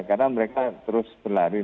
karena mereka terus berlari